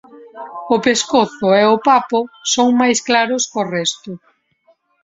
O pescozo e o papo son máis claros có resto.